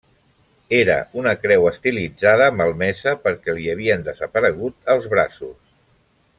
Era una creu estilitzada, malmesa, perquè li havien desaparegut els braços.